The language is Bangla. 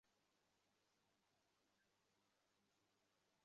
অতি জরুরি প্রয়োজনে রাবারের জুতা পরে বাইরে বের হতে বলা হয়েছে।